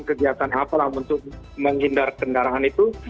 kegiatan apalah untuk menghindar kendaraan itu